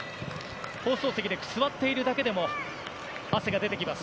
放送席で座っているだけでも汗が出てきます。